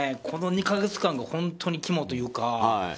この２か月間が本当に肝というか。